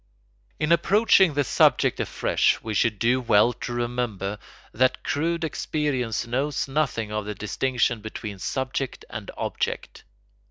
] In approaching the subject afresh we should do well to remember that crude experience knows nothing of the distinction between subject and object.